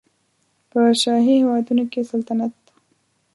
په شاهي هېوادونو کې سلطنت